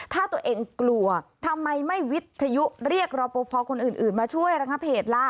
ถ้าตัวเองกลัวทำไมไม่วิทยุเรียกรอปภคนอื่นมาช่วยระงับเหตุล่ะ